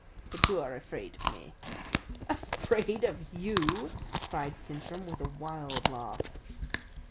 But you are afraid of me." "Afraid of you!" cried Sintram, with a wild laugh.